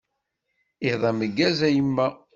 Iḍ ameggaz a yemma.